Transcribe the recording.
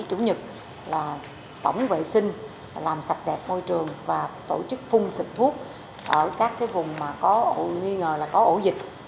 chủ nhật là tổng vệ sinh làm sạch đẹp môi trường và tổ chức phun sịch thuốc ở các vùng nghi ngờ có ổ dịch